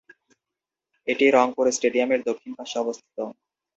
এটি রংপুর স্টেডিয়ামের দক্ষিণ পাশে অবস্থিত।